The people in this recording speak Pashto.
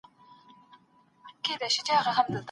د دوی رضایت نه دی پټ سوی.